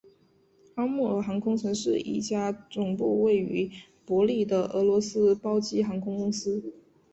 阿穆尔航空曾是一家总部位于伯力的俄罗斯包机航空公司。